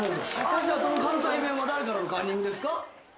じゃあその関西弁は誰からのカンニングですか？